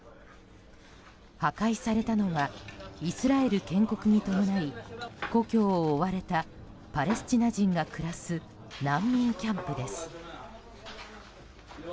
破壊されたのはイスラエル建国に伴い故郷を追われたパレスチナ人が暮らす難民キャンプです。